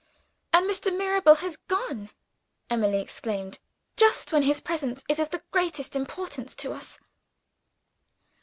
"And Mr. Mirabel has gone," Emily exclaimed, "just when his presence is of the greatest importance to us!"